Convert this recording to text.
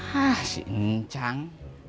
hah sih cang